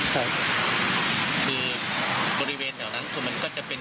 ครับคือบริเวณแถวนั้นคือมันก็จะเป็น